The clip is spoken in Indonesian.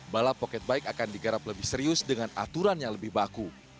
balap pocket bike akan digarap lebih serius dengan aturan yang lebih baku